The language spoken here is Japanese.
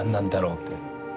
って。